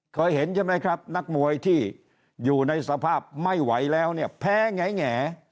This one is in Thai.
เคยเห็นใช่ไหมครับนักมวยที่อยู่ในสภาพไม่ไหวแล้วเนี่ยแพ้แง่